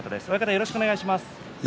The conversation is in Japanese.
よろしくお願いします。